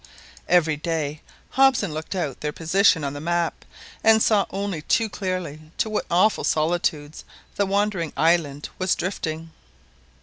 Every day Hobson looked out their position on the map, and saw only too clearly to what awful solitudes the wandering island was drifting.